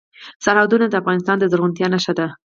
سرحدونه د افغانستان د زرغونتیا نښه ده.